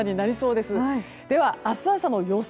では明日朝の予想